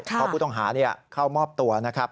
เพราะผู้ต้องหาเข้ามอบตัวนะครับ